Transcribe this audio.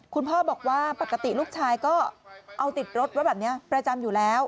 คุณพ่อบอกว่าปกติลูกชายก็เอาติดรถไว้แบบนี้ประจำอยู่แล้ว